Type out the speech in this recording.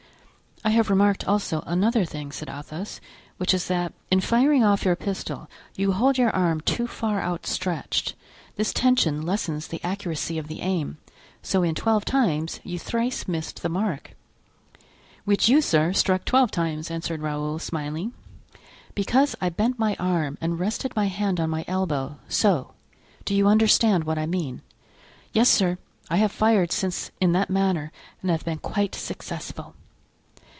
"I have remarked also another thing," said Athos, "which is, that in firing off your pistol you hold your arm too far outstretched. This tension lessens the accuracy of the aim. So in twelve times you thrice missed the mark." "Which you, sir, struck twelve times," answered Raoul, smiling. "Because I bent my arm and rested my hand on my elbow—so; do you understand what I mean?" "Yes, sir. I have fired since in that manner and have been quite successful."